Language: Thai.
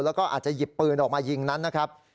แล้วก็อาจจะหยิบปืนออกมายิงนั้นนะครับ